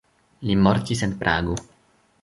Li mortis en Prago.